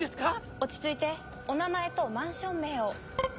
落ち着いてお名前とマンション名を。